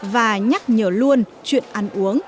và nhắc nhở luôn chuyện ăn uống